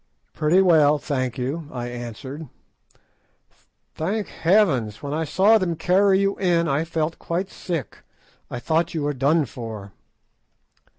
"Pretty well, thank you," I answered. "Thank Heaven! When I saw them carry you in, I felt quite sick; I thought you were done for."